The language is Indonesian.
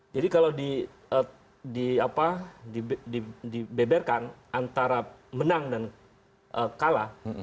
jadi kalau dibeberkan antara menang dan kalah